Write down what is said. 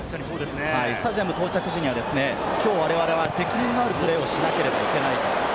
スタジアム到着時にはきょう、我々は責任のあるプレーをしなければいけない。